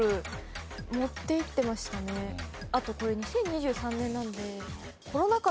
あとこれ２０２３年なので。